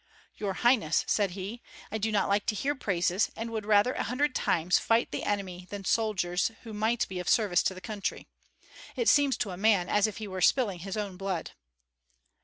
"Your highness," said he, "I do not like to hear praises, and would rather a hundred times fight the enemy than soldiers who might be of service to the country. It seems to a man as if he were spilling his own blood."